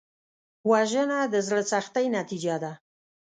وژنه د زړه سختۍ نتیجه ده